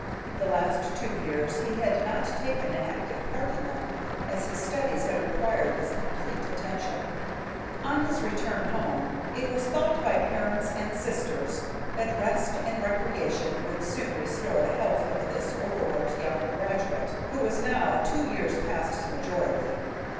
The last two years he had not taken an active part in them, as his studies had required his complete attention. On his return home, it was thought by parents and sisters that rest and recreation would soon restore the health of this overworked young graduate, who was now two years past his majority.